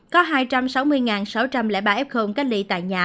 có hai trăm sáu mươi sáu trăm linh ba f cách ly tại nhà